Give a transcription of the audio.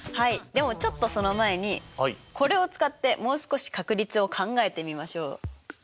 でもちょっとその前にこれを使ってもう少し確率を考えてみましょう。